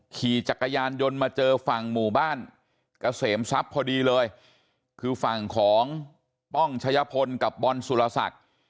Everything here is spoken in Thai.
ขี่จักรยานยนต์มาเจอฝั่งหมู่บ้านเกษมทรัพย์พอดีเลยคือฝั่งของป้องชะยะพลกับบอลสุรศักดิ์